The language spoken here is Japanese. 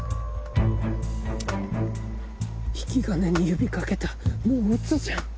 引き金に指掛けたもう撃つじゃん。